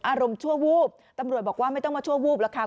อารมณ์ชั่ววูบตำรวจบอกว่าไม่ต้องมาชั่ววูบหรอกค่ะ